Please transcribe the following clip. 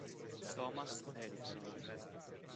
Thomas Eriksson